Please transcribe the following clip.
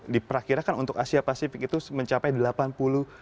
diperkirakan untuk asia pasifik itu mencapai delapan puluh billion us dollar